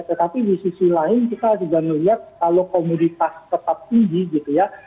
tetapi di sisi lain kita juga melihat kalau komoditas tetap tinggi gitu ya